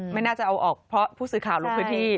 ไม่น่าจะเอาออกเพราะผู้สื่อข่าวลงพื้นที่